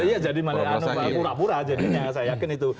iya jadi pura pura jadinya saya yakin itu